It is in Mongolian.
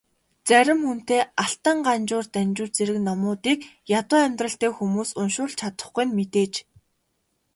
Зарим үнэтэй Алтан Ганжуур, Данжуур зэрэг номуудыг ядуу амьдралтай хүмүүс уншуулж чадахгүй нь мэдээж.